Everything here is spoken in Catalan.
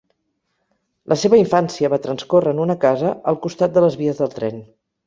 La seva infància va transcórrer en una casa al costat de les vies del tren.